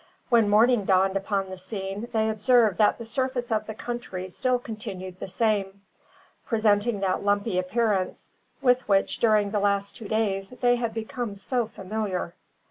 When morning dawned upon the scene, they observed that the surface of the country still continued the same, presenting that lumpy appearance with which during the last two days they had become so familiar.